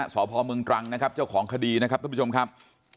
สพเมืองตรังนะครับเจ้าของคดีนะครับท่านผู้ชมครับ